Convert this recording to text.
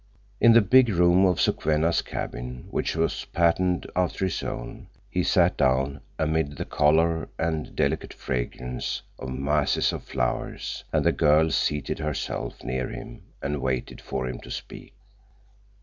In the "big room" of Sokwenna's cabin, which was patterned after his own, he sat down amid the color and delicate fragrance of masses of flowers, and the girl seated herself near him and waited for him to speak.